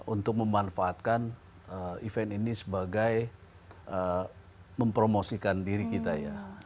untuk memanfaatkan event ini sebagai mempromosikan diri kita ya